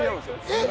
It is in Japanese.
えっ？